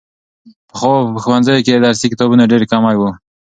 پخوا به په ښوونځیو کې د درسي کتابونو ډېر کمی و.